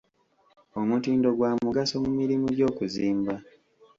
Omutindo gwa mugaso mu mirimu gy'okuzimba.